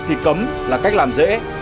thì cấm là cách làm dễ